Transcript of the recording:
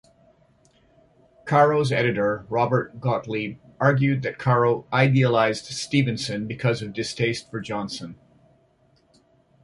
Caro's editor, Robert Gottlieb, argued that Caro idealized Stevenson because of distaste for Johnson.